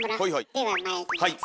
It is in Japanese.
ではまいります。